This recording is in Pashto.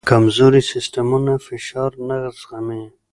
کمزوري سیستمونه فشار نه زغمي.